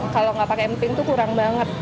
kalau nggak pakai emping tuh kurang banget